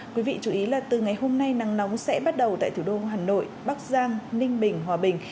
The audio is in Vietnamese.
quý vị chú ý là từ ngày hôm nay nắng nóng sẽ bắt đầu tại thủ đô hà nội bắc giang ninh bình hòa bình